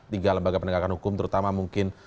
tiga lembaga penegakan hukum terutama mungkin